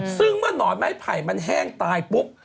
ซึ่งเมื่อหนอนไม้ไผ่มันแห้งตายปุ๊บ